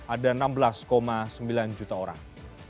ada enam belas sembilan juta orang